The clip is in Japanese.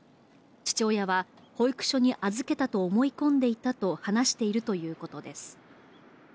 父親は、保育所に預けたと思い込んでいたと話しているということです。